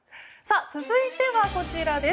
続いては、こちらです。